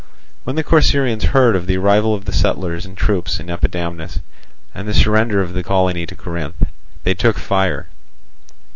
When the Corcyraeans heard of the arrival of the settlers and troops in Epidamnus, and the surrender of the colony to Corinth, they took fire.